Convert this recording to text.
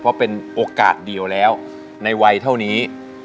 เพราะเป็นโอกาสเดียวแล้วในวัยเท่านี้